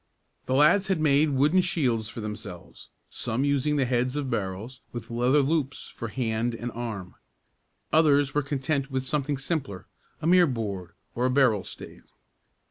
The lads had made wooden shields for themselves, some using the heads of barrels, with leather loops for hand and arm. Others were content with something simpler, a mere board, or a barrel stave.